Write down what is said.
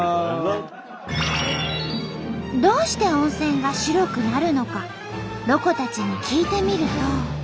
どうして温泉が白くなるのかロコたちに聞いてみると。